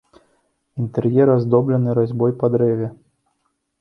Інтэр'ер аздоблены разьбой па дрэве.